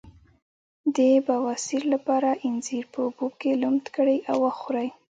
د بواسیر لپاره انځر په اوبو کې لمد کړئ او وخورئ